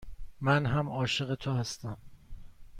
من هم عاشق تو هستم.